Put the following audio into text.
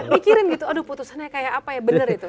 mikirin gitu aduh putusannya kayak apa ya bener itu